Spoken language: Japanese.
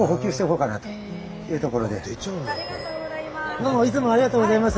どうもいつもありがとうございます。